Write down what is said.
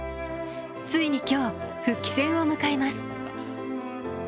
ついに今日、復帰戦を迎えます。